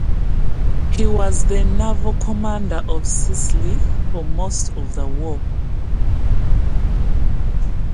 He was the naval commander of Sicily for most of the war.